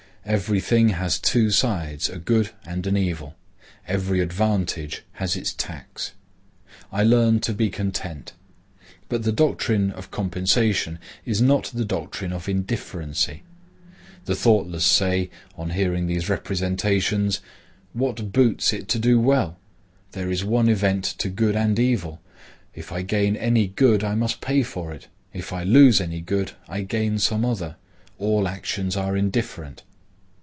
Every thing has two sides, a good and an evil. Every advantage has its tax. I learn to be content. But the doctrine of compensation is not the doctrine of indifferency. The thoughtless say, on hearing these representations,—What boots it to do well? there is one event to good and evil; if I gain any good I must pay for it; if I lose any good I gain some other; all actions are indifferent.